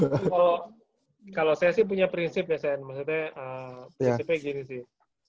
kalau saya sih punya prinsip ya saya maksudnya prinsipnya gini sih